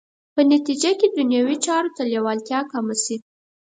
په نتیجه کې دنیوي چارو ته لېوالتیا کمه شي.